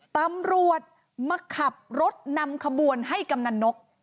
ตำรวจมาขับรถนำขบวนให้กำนันนก